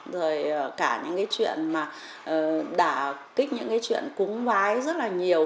rồi cả những chuyện mà đã kích những chuyện cúng vái rất là nhiều